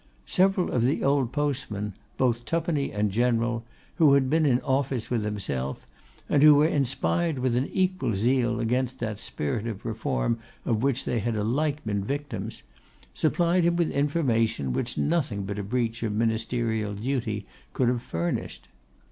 Several of the old postmen, both twopenny and general, who had been in office with himself, and who were inspired with an equal zeal against that spirit of reform of which they had alike been victims, supplied him with information which nothing but a breach of ministerial duty could have furnished.